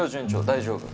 大丈夫！